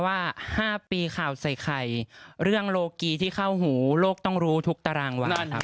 ว่า๕ปีข่าวใสคลัยเรื่องโลกีที่เข้าหูโลกต้องรู้ทุกตาราง